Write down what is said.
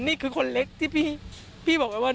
นี่คือคนเล็กที่พี่บอกไว้ว่า